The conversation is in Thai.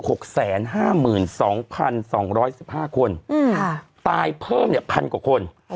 หกแสนห้าหมื่นสองพันสองร้อยสิบห้าคนอืมค่ะตายเพิ่มเนี้ยพันกว่าคน